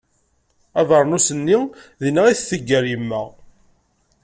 Abernus-nni dinna i t-teggar yemma.